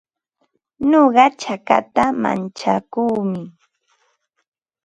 Nuqa chakata mantsakuumi.